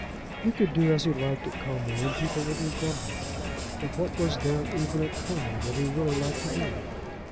He could do as he liked at Como, and people wouldn't grumble; but what was there even at Como that he really liked to do?